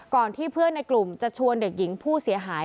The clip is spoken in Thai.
ที่เพื่อนในกลุ่มจะชวนเด็กหญิงผู้เสียหาย